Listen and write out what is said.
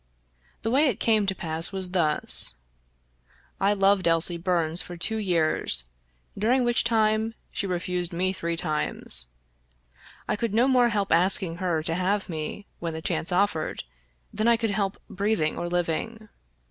The way it came to pass was thus. I loved Elsie Bums for two years, during which time she refused me three times. I could no more help asking her to have me, when the chance offered, than I could help breathing or living.